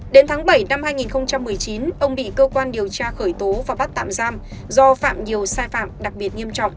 đến tháng bảy năm hai nghìn một mươi chín ông bị cơ quan điều tra khởi tố và bắt tạm giam do phạm nhiều sai phạm đặc biệt nghiêm trọng